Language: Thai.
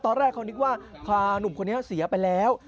ตอนแรกเขานึกว่าพาหนุ่มคนนี้เสียไปแล้ว